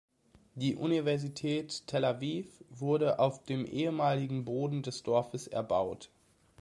Die Universität Tel Aviv wurde auf dem ehemaligen Boden des Dorfes erbaut.